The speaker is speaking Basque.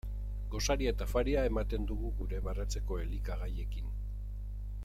Gosaria eta afaria ematen dugu gure baratzeko elikagaiekin.